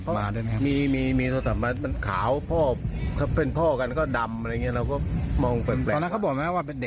ทีมข่าวได้ว่า